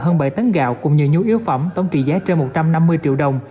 hơn bảy tấn gạo cùng nhiều nhu yếu phẩm tổng trị giá trên một trăm năm mươi triệu đồng